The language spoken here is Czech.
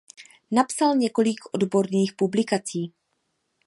Napsal několik odborných publikací.